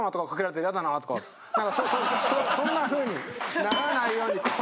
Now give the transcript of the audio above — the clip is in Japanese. とかそんなふうにならないように。